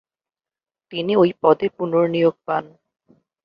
তিনি ওই পদে পুনর্নিয়োগ পান।